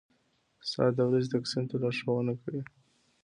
• ساعت د ورځې تقسیم ته لارښوونه کوي.